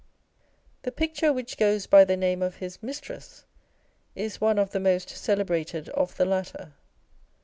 The picture which goes by the name of his " Mistress," is one of the most celebrated of the latter.